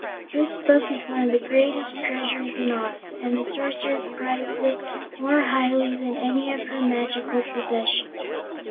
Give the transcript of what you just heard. This Book is one of the greatest treasures in Oz, and the Sorceress prizes it more highly than any of her magical possessions.